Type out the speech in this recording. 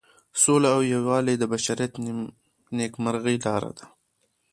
سوله او یووالی د بشریت د نیکمرغۍ لاره ده.